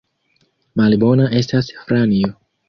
Malbona estas Franjo!